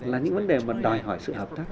là những vấn đề mà đòi hỏi sự hợp tác